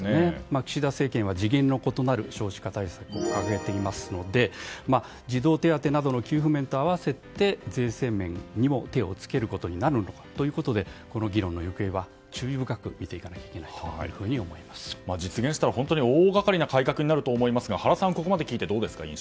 岸田政権が次元の異なる少子化対策を掲げていますので児童手当などの給付面と合わせて税制面にも手を付けることになるのかということでこの議論の行方は注意深く見ていかなければ実現したら、大がかりな改革になると思いますが原さん、ここまで聞いて印象はどうですか？